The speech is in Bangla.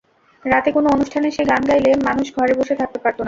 রাতে কোন অনুষ্ঠানে সে গান গাইলে মানুষ ঘরে বসে থাকতে পারত না।